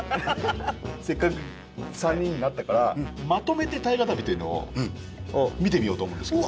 せっかく３人になったからまとめて「大河たび」というのを見てみようと思うんですけど。